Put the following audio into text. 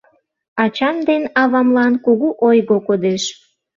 Ачам ден авамлан кугу ойго кодеш